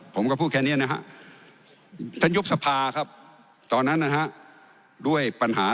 ผมก็พูดแค่เนี่ยนะฮะ